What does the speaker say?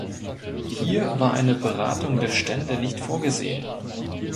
Hier war eine Beratung der Stände nicht vorgesehen.